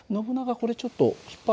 これちょっと引っ張ってみて。